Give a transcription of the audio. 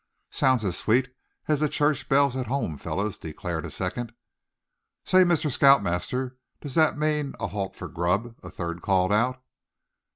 "Sounds as sweet as the church bell at home, fellows!" declared a second. "Say, Mr. Scout Master, does that mean a halt for grub?" a third called out.